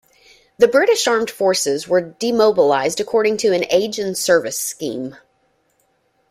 The British armed forces were demobilised according to an 'age-and-service' scheme.